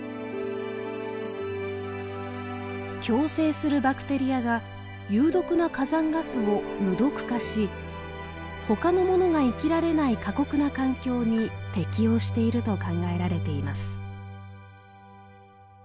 共生するバクテリアが有毒な火山ガスを無毒化し他のものが生きられない過酷な環境に適応していると考えられています。